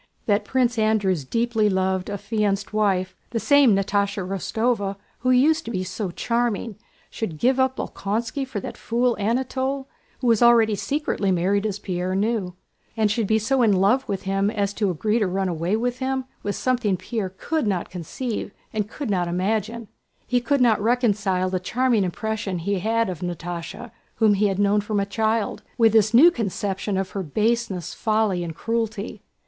That Prince Andrew's deeply loved affianced wife—the same Natásha Rostóva who used to be so charming—should give up Bolkónski for that fool Anatole who was already secretly married (as Pierre knew), and should be so in love with him as to agree to run away with him, was something Pierre could not conceive and could not imagine. He could not reconcile the charming impression he had of Natásha, whom he had known from a child, with this new conception of her baseness, folly, and cruelty.